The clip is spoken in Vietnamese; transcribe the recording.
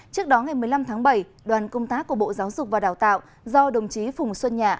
trước đó ngày một mươi năm tháng bảy đoàn công tác của bộ giáo dục và đào tạo do đồng chí phùng xuân nhạ